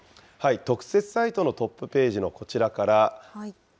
特設サイトのトップページのこちらから。